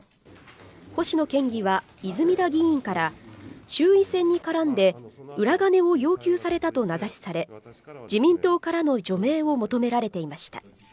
星野県議は泉田議員から衆院選に絡んで、裏金を要求されたと名指しされ、自民党からの除名を求められていました。